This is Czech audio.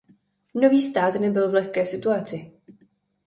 Nový stát nebyl v lehké situaci.